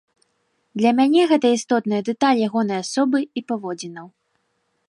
Для мяне гэта істотная дэталь ягонай асобы і паводзінаў.